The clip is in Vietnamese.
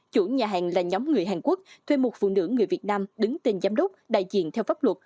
chủ nhà hàng là nhóm người hàn quốc thuê một phụ nữ người việt nam đứng tên giám đốc đại diện theo pháp luật